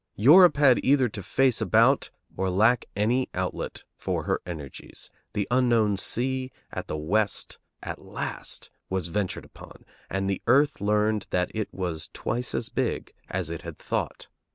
Europe had either to face about or lack any outlet for her energies; the unknown sea at the west at last was ventured upon, and the earth learned that it was twice as big as it had thought.